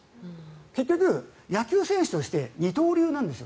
結局、野球選手として二刀流なんです。